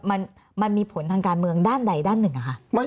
มันมีผลทางการเมืองด้านใดด้านหนึ่งอะค่ะ